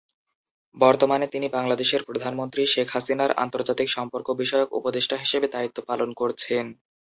বর্তমানে তিনি বাংলাদেশের প্রধানমন্ত্রী শেখ হাসিনার আন্তর্জাতিক সম্পর্ক বিষয়ক উপদেষ্টা হিসেবে দায়িত্ব পালন করছেন।